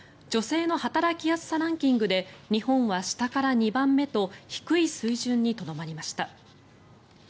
女性の働きやすさランキングで日本は下から２番目と低い水準にとどまりました。